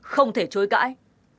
không thể chối cãi